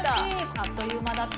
「あっという間だった」。